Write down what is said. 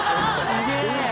すげえ！